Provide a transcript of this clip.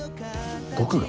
僕が？